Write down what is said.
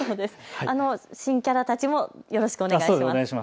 新キャラたちもよろしくお願いします。